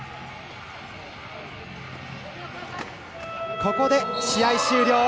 ここで試合終了。